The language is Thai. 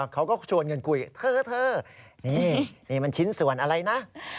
เขาก็ชวนกันคุยเธอนี่นี่มันชิ้นส่วนอะไรนะ